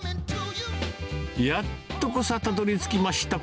やっとこさたどりつきました